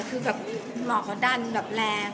คือหมอกเขาดันแรง